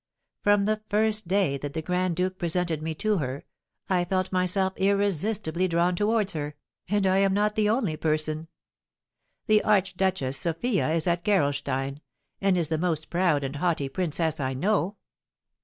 From the first day that the grand duke presented me to her, I felt myself irresistibly drawn towards her; and I am not the only person. The Archduchess Sophia is at Gerolstein, and is the most proud and haughty princess I know."